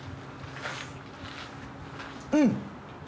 うん！